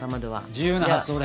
自由な発想で。